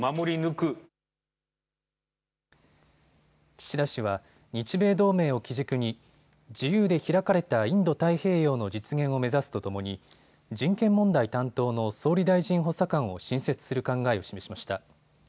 岸田氏は日米同盟を基軸に自由で開かれたインド太平洋の実現を目指すとともに人権問題担当の総理大臣補佐官を新設する考えを示しました。